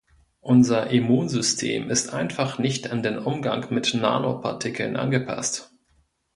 Unser Immunsystem ist einfach nicht an den Umgang mit Nanopartikeln angepasst.